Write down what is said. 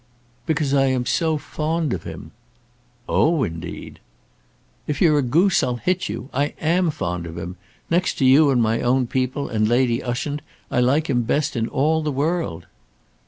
"Because I am so fond of him." "Oh; indeed!" "If you're a goose, I'll hit you. I am fond of him. Next to you and my own people, and Lady Ushant, I like him best in all the world."